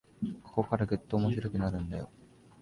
ここからぐっと面白くなるんだよ